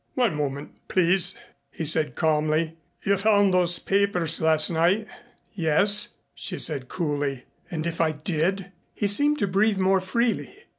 "One moment, please," he said calmly. "You found those papers last night?" "Yes," she said coolly. "And if I did?" He seemed to breathe more freely.